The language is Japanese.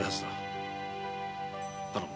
頼む。